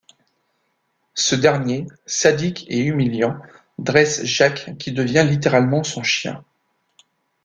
Ce dernier, sadique et humiliant, dresse Jacques qui devient littéralement son chien...